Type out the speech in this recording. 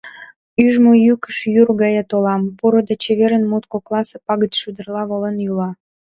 Ӱжмӧ йӱкыш йӱр гае толам, — «пуро» да «чеверын» мут кокласе пагыт шӱдырла волен йӱла.